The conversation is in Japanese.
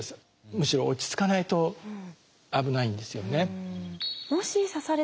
むしろ落ち着かないと危ないんですよね。